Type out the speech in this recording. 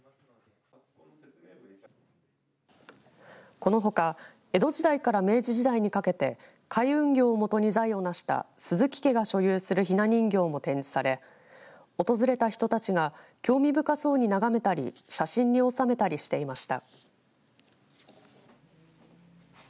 このほか江戸時代から明治時代にかけて海運業をもとに財を成した鈴木家が所有するひな人形も展示され訪れた人たちが興味深そうに眺めたり写真に収めたりしていました。